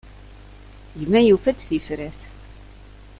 Gma yufa-d tifrat.